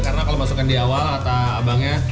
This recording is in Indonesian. karena kalau masukin di awal atau abangnya